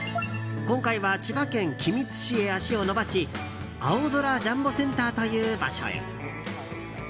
今回は千葉県君津市へ足を延ばし青空ジャンボセンターという場所へ。